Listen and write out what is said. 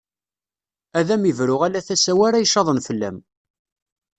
Ad am-ibru ala tasa-w ara icaḍen fell-am.